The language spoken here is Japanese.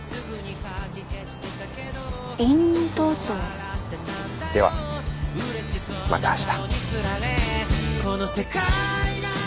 インド象。ではまた明日。